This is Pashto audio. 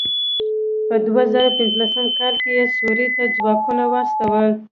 په دوه زره پنځلسم کال کې یې سوريې ته ځواکونه واستول.